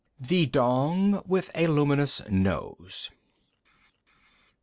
THE DONG WITH A LUMINOUS NOSE.